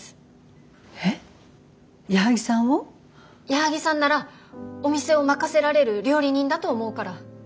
矢作さんならお店を任せられる料理人だと思うから。